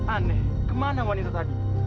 aneh ke mana wanita tadi